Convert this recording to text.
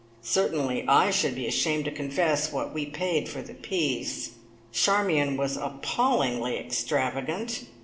Certainly I should be ashamed to confess what we paid for the piece. Charmion was appallingly extravagant!